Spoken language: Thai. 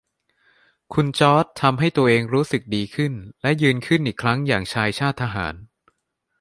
คุณจอร์จทำให้ตัวเองรู้สึกดีขึ้นและยืนขึิ้นอีกครั้งอย่างชายชาติทหาร